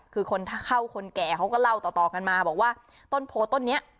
คือคนถ้าเข้าคนแก่เขาก็เล่าต่อกันมาบอกว่าต้นโพต้นนี้